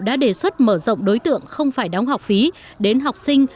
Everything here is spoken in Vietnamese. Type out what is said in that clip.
đã đề xuất mở rộng đối tượng không phải đóng học phí đến học sinh